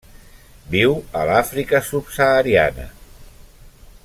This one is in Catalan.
Viu a l'Àfrica subsahariana.